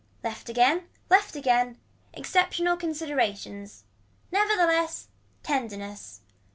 Left again left again. Exceptional considerations. Never the less tenderness.